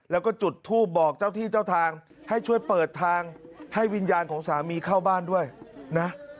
แล้วก็จุดทูปบอกเจ้าที่เจ้าทางให้ช่วยเปิดทางให้วิญญาณของสามีเข้าบ้านด้วยนะ